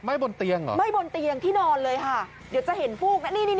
บนเตียงเหรอไหม้บนเตียงที่นอนเลยค่ะเดี๋ยวจะเห็นฟูกนะนี่นี่